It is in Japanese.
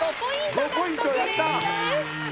５ポイントやった！